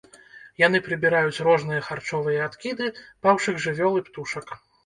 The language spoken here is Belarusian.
Яны прыбіраюць розныя харчовыя адкіды, паўшых жывёл і птушак.